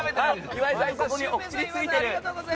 岩井さん、ここにお口についてる。